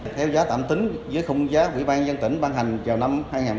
theo giá tạm tính với khung giá ủy ban nhân tỉnh ban hành vào năm hai nghìn một mươi sáu